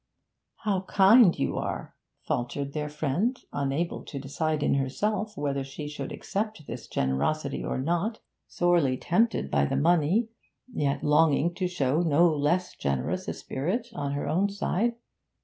'How kind you are!' faltered their friend, unable to decide in herself whether she should accept this generosity or not sorely tempted by the money, yet longing to show no less generous a spirit on her own side.